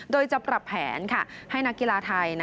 โดยจะปรับแผนให้นักกีฬาไทย